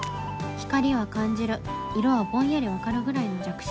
光は感じる色はぼんやり分かるぐらいの弱視。